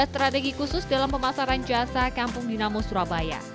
strategi khusus dalam pemasaran jasa kampung dinamo surabaya